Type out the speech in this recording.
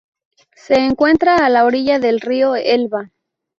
Se encuentra a la orilla del río Elba.